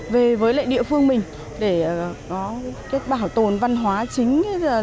về với địa phương mình để có bảo tồn văn hóa chính